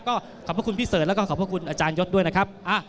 ก็ขอบพระคุณพี่เสิร์ตแล้วก็ขอบพระคุณอาจารยศด้วยนะครับ